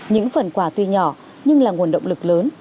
những phần quà tuy nhỏ nhưng là nguồn động lực lớn